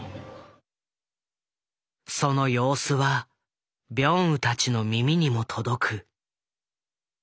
その様子はビョンウたちの耳にも届く。